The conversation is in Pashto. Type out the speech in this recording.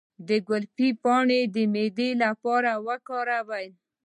د ګلپي پاڼې د معدې لپاره وکاروئ